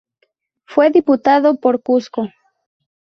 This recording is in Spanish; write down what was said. Fue Diputado por Cusco.